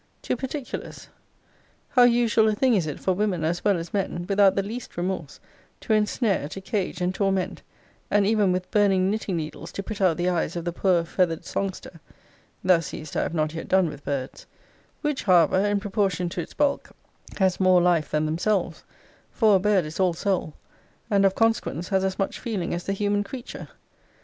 To particulars: How usual a thing is it for women as well as men, without the least remorse, to ensnare, to cage, and torment, and even with burning knitting needles to put out the eyes of the poor feather'd songster [thou seest I have not yet done with birds]; which however, in proportion to its bulk, has more life than themselves (for a bird is all soul;) and of consequence has as much feeling as the human creature!